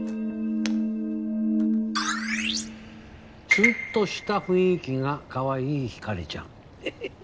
「ツンとした雰囲気がかわいいひかりちゃん」ヘヘヘヘ！